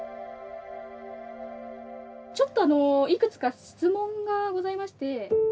ちょっとあのいくつか質問がございまして。